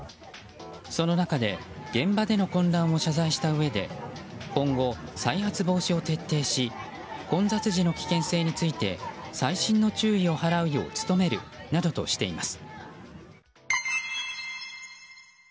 その中で現場での混乱を謝罪したうえで今後、再発防止を徹底し混雑時の危険性について細心の注意を払うよう努めるなどとしています。